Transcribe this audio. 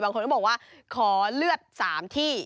คนก็บอกว่าขอเลือด๓ที่